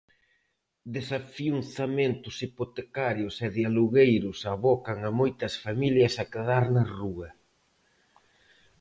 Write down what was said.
Desafiuzamentos hipotecarios e de alugueiros abocan a moitas familias a quedar na rúa.